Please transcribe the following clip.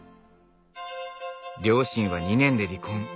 両親は２年で離婚。